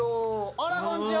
あらこんちは。